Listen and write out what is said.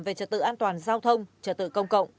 về trật tự an toàn giao thông trật tự công cộng